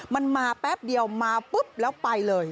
มันมาแป๊บเดียวมาปุ๊บแล้วไปเลย